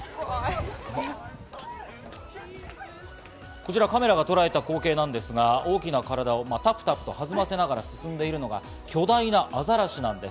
こちら、カメラがとらえた光景なんですが、大きな体をタプタプと弾ませながら進んでいるのが巨大なアザラシです。